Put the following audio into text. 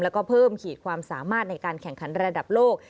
แล้วก็เพิ่มขีดความสามารถในการแข่งขันระดับโลก